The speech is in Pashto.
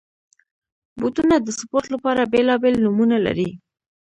بوټونه د سپورټ لپاره بېلابېل نومونه لري.